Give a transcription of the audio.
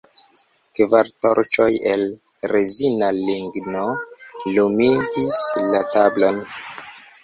Kvar torĉoj el rezina ligno lumigis la tablon.